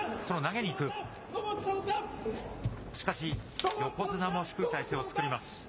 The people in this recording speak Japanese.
その投げにいく、しかし横綱も低い体勢を作ります。